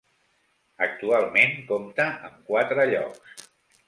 Actualment compta amb quatre llocs.